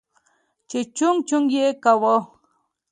چې چونگ چونگ يې کاوه.